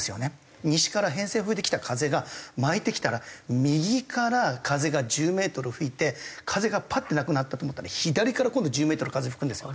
西から偏西風で来た風が巻いてきたら右から風が１０メートル吹いて風がパッてなくなったと思ったら左から今度１０メートル風吹くんですよ。